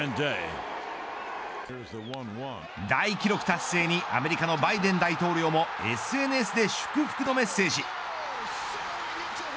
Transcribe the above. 大記録達成にアメリカのバイデン大統領もＳＮＳで祝福のメッセージ。